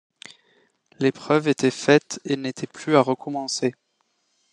L’épreuve était faite, et n’était plus à recommencer.